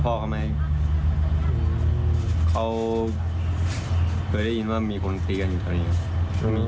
อ๋อพ่อกันไหมเขาเคยได้ยินว่ามีคนตีกันอยู่เท่านี้